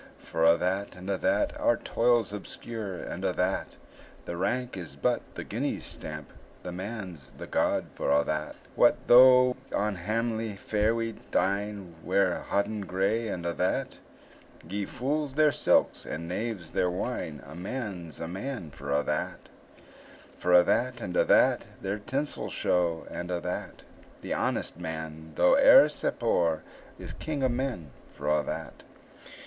For a' that, and a' that, Our toils obscure, and a' that; The rank is but the guinea's stamp, The man's the gowd for a' that. What though on hamely fare we dine, Wear hoddin gray, and a' that? Gie fools their silks, and knaves their wine, A man's a man for a' that. For a' that, and a' that, Their tinsel show, and a' that; The honest man, though e'er sae poor, Is king o' men for a' that.